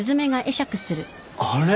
あれ？